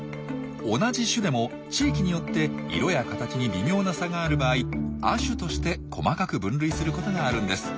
同じ種でも地域によって色や形に微妙な差がある場合「亜種」として細かく分類することがあるんです。